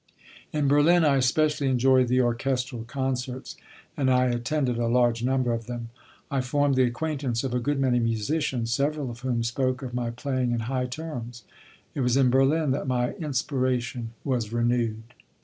In Berlin I especially enjoyed the orchestral concerts, and I attended a large number of them. I formed the acquaintance of a good many musicians, several of whom spoke of my playing in high terms. It was in Berlin that my inspiration was renewed.